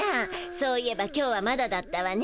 そういえば今日はまだだったわね。